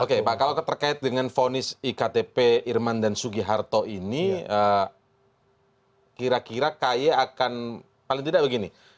oke pak kalau terkait dengan fonis iktp irman dan sugiharto ini kira kira kay akan paling tidak begini